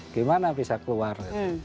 gimana bisa keluar